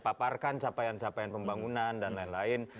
paparkan capaian capaian pembangunan dan lain lain